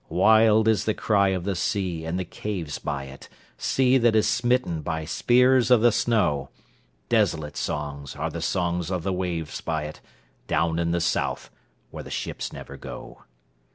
Wild is the cry of the sea in the caves by it—Sea that is smitten by spears of the snow; Desolate songs are the songs of the waves by it—Down in the South, where the ships never go.